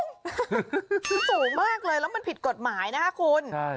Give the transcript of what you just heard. มันสูงมากเลยแล้วมันผิดกฎหมายนะคะคุณ